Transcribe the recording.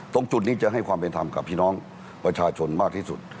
ตรงจุดนี้จะให้ความเป็นธรรมกับพี่น้องประชาชนมากที่สุด